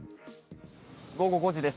午後５時です。